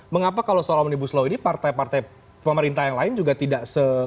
mengapa kalau soal omnibus law ini partai partai pemerintah yang lain juga tidak se